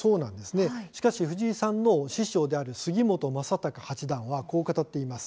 しかし藤井さんの師匠である杉本昌隆八段はこう語っています。